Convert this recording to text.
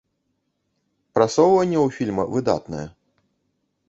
Прасоўванне ў фільма выдатнае.